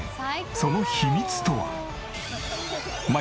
その秘密とは？